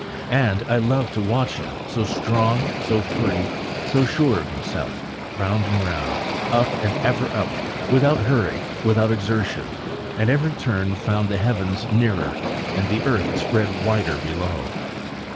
And I loved to watch him, so strong, so free, so sure of himself round and round, up and ever up, without hurry, without exertion; and every turn found the heavens nearer and the earth spread wider below.